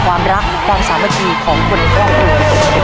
ความรักความสามารถมีของคนของคุณ